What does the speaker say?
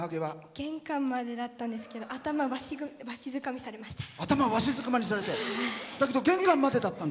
玄関までだったんですけど頭、わしづかみにされました。